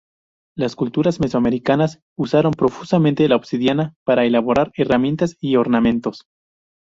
Las culturas mesoamericanas usaron profusamente la obsidiana para elaborar herramientas y ornamentos.